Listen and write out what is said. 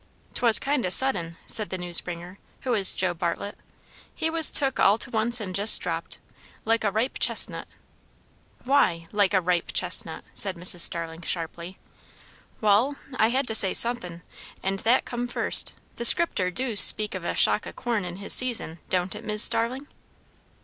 "'Twas kind o' sudden," said the news bringer, who was Joe Bartlett; "he was took all to once and jes' dropped like a ripe chestnut." "Why, like a ripe chestnut?" said Mrs. Starling sharply. "Wall, I had to say suthin', and that come first. The Scripter doos speak of a shock o' corn in his season, don't it, Mis' Starling?"